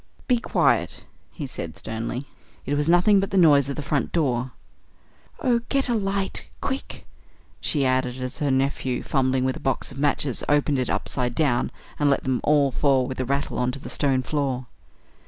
"Be quiet!" he said sternly. "It was nothing but the noise of the front door." "Oh! get a light quick!" she added, as her nephew, fumbling with a box of matches, opened it upside down and let them all fall with a rattle on to the stone floor.